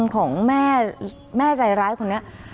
ของแม่ใจร้ายคนนี้